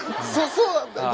そうなんだ。